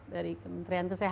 dari kementerian kesehatan